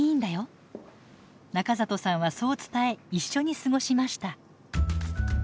中里さんはそう伝え一緒に過ごしました。